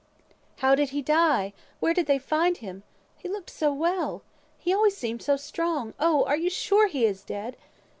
"How did he die? Where did they find him? He looked so well. He always seemed so strong. Oh! are you sure he is dead?"